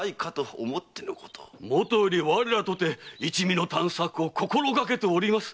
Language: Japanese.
もとより我らとて一味の探索を心がけております。